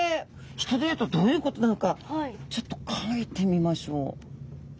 人で言うとどういうことなのかちょっと描いてみましょう。